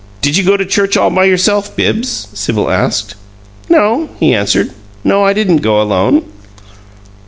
"Did you go to church all by yourself, Bibbs?" Sibyl asked. "No," he answered. "No, I didn't go alone."